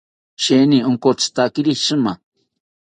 Sheeni onkotzitakiri shima